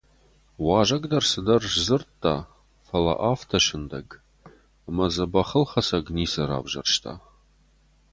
Уазӕг дӕр цыдӕр сдзырдта, фӕлӕ афтӕ сындӕг, ӕмӕ дзы бӕхылхӕцӕг ницы равзӕрста.